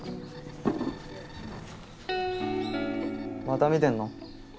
また見てんの？